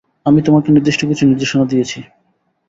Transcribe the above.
আমি তোমাকে নির্দিষ্ট কিছু নির্দেশনা দিয়েছি।